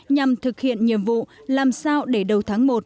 nhằm thực hiện nhiệm vụ làm sao để đầu tháng một